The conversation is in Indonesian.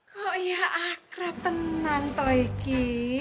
kok ya akrab penan toh iki